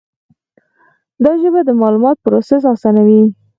دا ژبه د معلوماتو پروسس آسانوي.